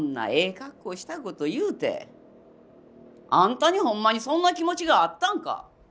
格好した事言うてあんたにホンマにそんな気持ちがあったんか？